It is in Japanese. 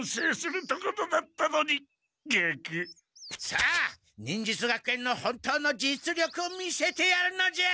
さあ忍術学園の本当の実力を見せてやるのじゃ！